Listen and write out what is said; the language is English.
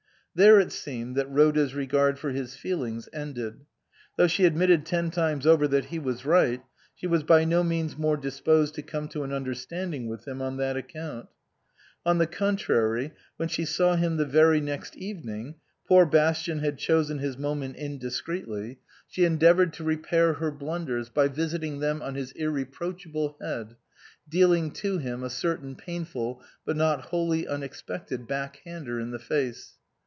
There it seemed that Rhoda's regard for his feelings ended. Though she admitted ten times over that he was right, she was by no means more disposed to come to an understanding with him on that account. On the contrary, when she saw him the very next evening (poor Bastian had chosen his moment indiscreetly) she en 292 A PAINFUL MISUNDERSTANDING deavoured to repair her blunders by visiting them on his irreproachable head, dealing to him a certain painful, but not wholly unexpected back hander in the face.